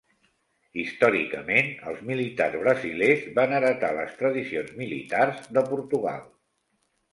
Històricament, els militars brasilers van heretar les tradicions militars de Portugal.